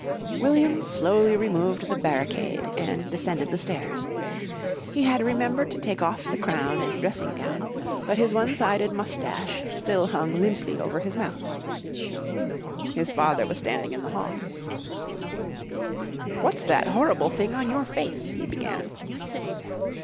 William slowly removed the barricade and descended the stairs. He had remembered to take off the crown and dressing gown, but his one sided moustache still hung limply over his mouth. His father was standing in the hall. "What's that horrible thing on your face?" he began.